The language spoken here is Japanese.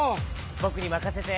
ぼくにまかせて！